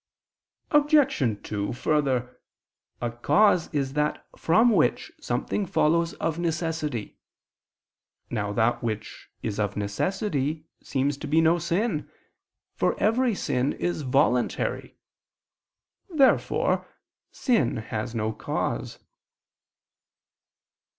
Obj. 2: Further, a cause is that from which something follows of necessity. Now that which is of necessity, seems to be no sin, for every sin is voluntary. Therefore sin has no cause.